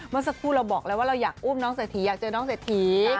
เมื่อสักครู่เราบอกแล้วว่าเราอยากอุ้มน้องเศรษฐีอยากเจอน้องเศรษฐี